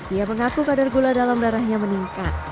ia mengaku kadar gula dalam darahnya meningkat